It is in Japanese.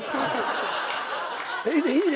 いいねいいね。